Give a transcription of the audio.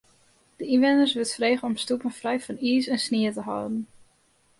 De ynwenners wurdt frege om stoepen frij fan iis en snie te hâlden.